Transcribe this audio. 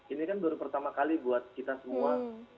ini kan baru pertama kali buat kita semua